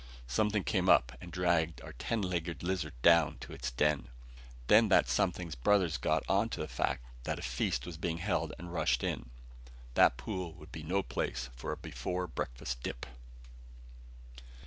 "Something came up and dragged our ten legged lizard down to its den. Then that something's brothers got onto the fact that a feast was being held, and rushed in. That pool would be no place for a before breakfast dip!"